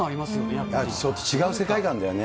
やっぱ違う世界観だよね。